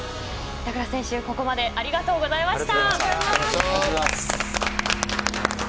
板倉選手、ここまでありがとうございました。